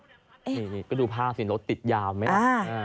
นี่ก็ดูภาพสิรถติดยาวไหม